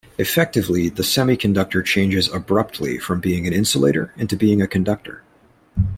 Effectively, the semiconductor changes abruptly from being an insulator into being a conductor.